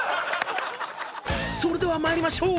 ［それでは参りましょう。